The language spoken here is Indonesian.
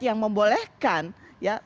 yang membolehkan ya